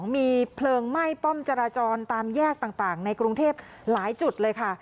มีเพลิงไหม้ป้อมจราจรตามแยกต่างในกรุงเทพหลายจุดเลยค่ะ